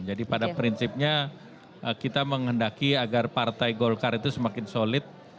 jadi pada prinsipnya kita menghendaki agar partai golkar itu semakin solid